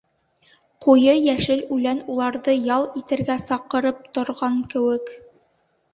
Ҡуйы йәшел үлән уларҙы ял итергә саҡырып торған кеүек.